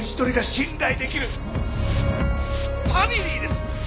信頼できるファミリーです。